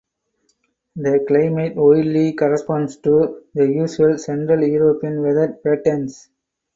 The climate widely corresponds to the usual Central European weather patterns.